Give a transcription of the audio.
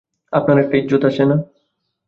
আপনার একটা ইজ্জত আছে না?